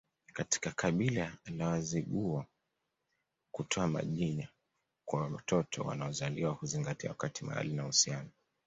Katika kabila la Wazigua kutoa majina kwa watoto wanaozaliwa huzingatia wakati mahali na uhusiano